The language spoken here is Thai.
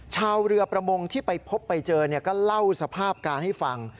ชาวเรือประมงที่ไปพบไปเจอก็เล่าสภาพการให้ฟัง